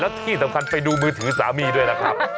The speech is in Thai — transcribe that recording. แล้วที่สำคัญไปดูมือถือสามีด้วยนะครับ